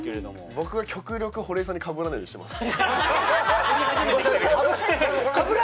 僕は、極力、堀江さんにかぶらないようにしてます。